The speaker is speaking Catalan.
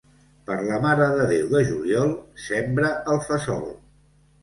Per la Mare de Déu de juliol, sembra el fesol.